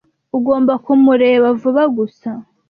ugomba kumureba vuba gusa.